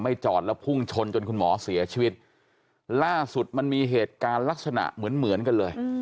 จอดแล้วพุ่งชนจนคุณหมอเสียชีวิตล่าสุดมันมีเหตุการณ์ลักษณะเหมือนเหมือนกันเลย